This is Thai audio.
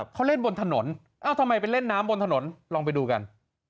เขาเล่นบนถนนเอ้าทำไมไปเล่นน้ำบนถนนลองไปดูกัน